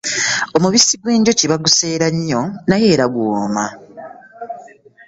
Omubisi gw'enjuki baguseera nnyo naye era guwooma.